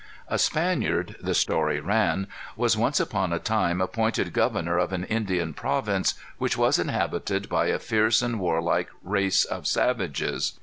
"'A Spaniard' the story ran, 'was once upon a time appointed governor of an Indian province, which was inhabited by a fierce and warlike race of savages.